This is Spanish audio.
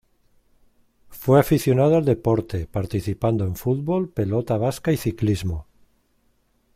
Fue aficionado al deporte, participando en fútbol, pelota vasca y ciclismo.